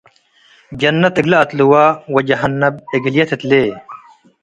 ጀነት እግለ አትልወ ወጀሃነብ እግልዬ ትትሌ